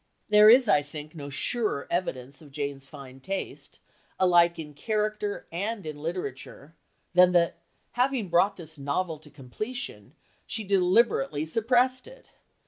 There is, I think, no surer evidence of Jane's fine taste, alike in character and in literature, than that, having brought this novel to completion, she deliberately suppressed it.